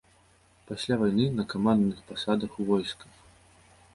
Пасля вайны на камандных пасадах у войсках.